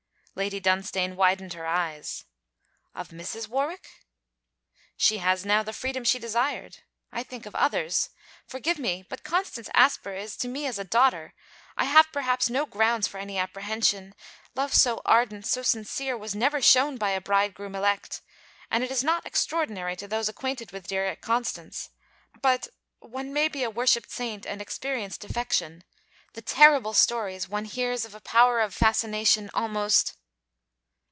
Lady Dunstane widened her eyes. 'Of Mrs. Warwick?' 'She has now the freedom she desired. I think of others. Forgive me, but Constance Asper is to me as a daughter. I have perhaps no grounds for any apprehension. Love so ardent, so sincere, was never shown by bridegroom elect: and it is not extraordinary to those acquainted with dear Constance. But one may be a worshipped saint and experience defection. The terrible stories one hears of a power of fascination almost...!'